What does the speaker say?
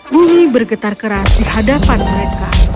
bumi bergetar keras di hadapan mereka